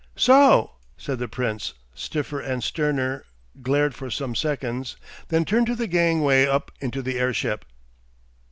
"So!" said the Prince, stiffer and sterner, glared for some seconds, then turned to the gang way up into the airship.